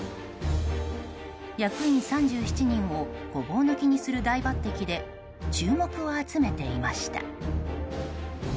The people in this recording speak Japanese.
役員３７人をごぼう抜きにする大抜擢で注目を集めていました。